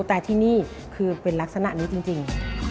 แต่ที่นี่คือเป็นลักษณะนี้จริง